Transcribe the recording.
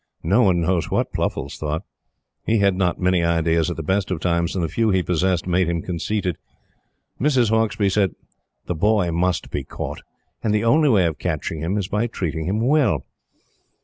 No one knows what Pluffles thought. He had not many ideas at the best of times, and the few he possessed made him conceited. Mrs. Hauksbee said: "The boy must be caught; and the only way of catching him is by treating him well."